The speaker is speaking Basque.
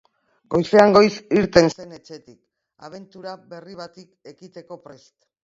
Goizean goiz irten zen etxetik, abentura berri bati ekiteko prest.